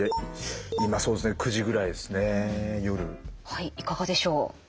はいいかがでしょう？